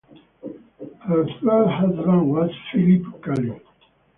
Her third husband was Philippe Kelly.